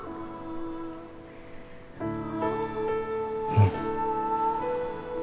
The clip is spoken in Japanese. うん。